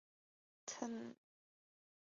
现在任教于普林斯顿大学物理系。